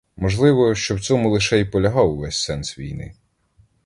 Можливо, що в цьому лише й полягав увесь сенс війни.